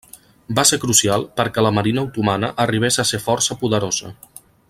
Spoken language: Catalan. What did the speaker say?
Va ser crucial perquè la marina otomana arribés a ser força poderosa.